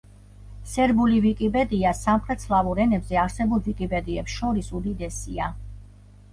სერბული ვიკიპედია სამხრეთ სლავურ ენებზე არსებულ ვიკიპედიებს შორის უდიდესია.